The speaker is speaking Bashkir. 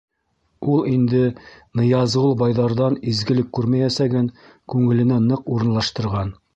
Ул инде Ныязғол байҙарҙан изгелек күрмәйәсәген күңеленә ныҡ урынлаштырған.